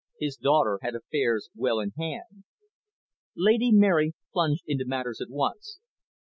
His daughter had affairs well in hand. Lady Mary plunged into matters at once.